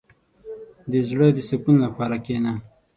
• د زړۀ د سکون لپاره کښېنه.